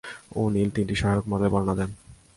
O'Neill তিনটি সহায়ক মডেলের বর্ণনা দেন।